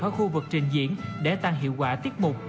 ở khu vực trình diễn để tăng hiệu quả tiết mục